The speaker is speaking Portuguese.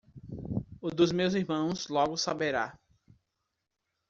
O dos meus irmãos logo saberá.